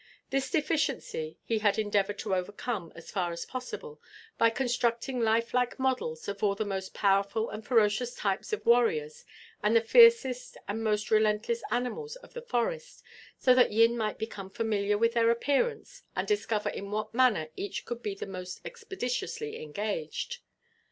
This deficiency he had endeavoured to overcome, as far as possible, by constructing life like models of all the most powerful and ferocious types of warriors and the fiercest and most relentless animals of the forest, so that Yin might become familiar with their appearance and discover in what manner each could be the most expeditiously engaged.